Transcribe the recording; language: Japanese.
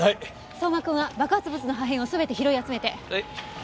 相馬君は爆発物の破片を全て拾い集めて。